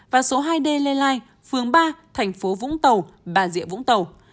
và số hai d lê lai phường ba tp vũng tàu bà diệ vũng tàu